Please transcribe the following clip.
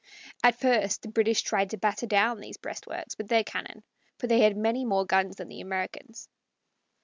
At first the British tried to batter down these breastworks with their cannon, for they had many more guns than the Americans.